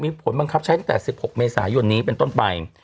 มีผลบังคับใช้ตั้งแต่๑๖เมษายนนี้เป็นต้นไป